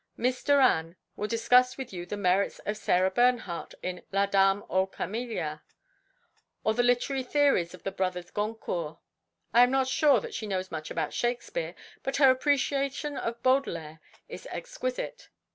Miss Doran will discuss with you the merits of Sarah Bernhardt in 'La Dame aux Camelias,' or the literary theories of the brothers Goncourt. I am not sure that she knows much about Shakespeare, but her appreciation of Baudelaire is exquisite.